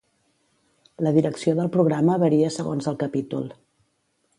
La direcció del programa varia segons el capítol.